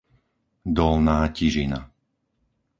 Dolná Tižina